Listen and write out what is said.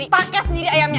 pake sendiri ayamnya